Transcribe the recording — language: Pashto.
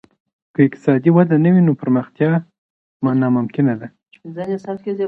که اقتصادي وده نه وي نو پرمختيا ناممکنه ده.